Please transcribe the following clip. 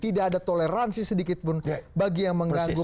tidak ada toleransi sedikitpun bagi yang mengganggu